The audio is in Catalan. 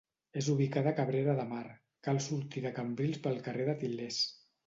És ubicada a Cabrera de Mar: cal sortir de Cabrils pel carrer de Til·lers.